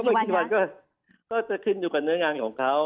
ไม่กี่วันก็จะขึ้นอยู่กับเนื้องานของเขา